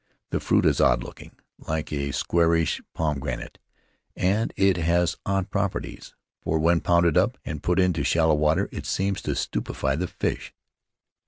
The fruit is odd looking, like a squarish pomegranate, and it has odd properties, for when pounded up and put into shallow water it seems to stupefy the fish.